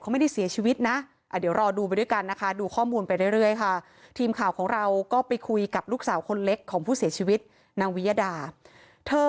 ใครถือสิทธิ์แทนใครเท่าไหร่แล้วก็ยังไม่เหลือ